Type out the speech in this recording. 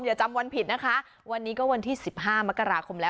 อย่าจำวันผิดนะคะวันนี้ก็วันที่๑๕มกราคมแล้ว